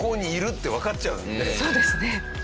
そうですね。